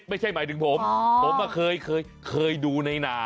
ไม่ใช่หมายถึงผมผมเคยดูในนา